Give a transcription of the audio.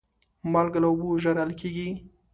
مالګه له اوبو ژر حل کېږي.